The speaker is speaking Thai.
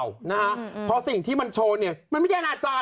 เพราะสิ่งที่มันโชว์มันจะไม่ใช่อนาจารย์